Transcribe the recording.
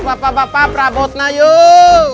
bapak bapak rabot na yuk